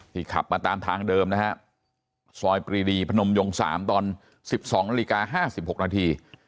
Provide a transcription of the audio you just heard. ขับมาตามทางเดิมนะฮะซอยปรีดีพนมยง๓ตอน๑๒นาฬิกา๕๖นาที